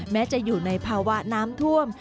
แม้จะอยู่ในภาวะน้ำท่วม